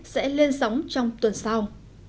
sẽ lên sóng trong tuần sau